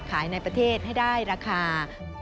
ในประเทศให้ได้ราคา